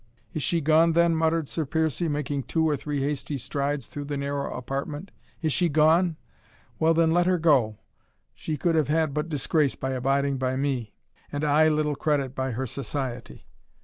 "Is she gone then?" muttered Sir Piercie, making two or three hasty strides through the narrow apartment "Is she gone? Well, then, let her go. She could have had but disgrace by abiding by me, and I little credit by her society.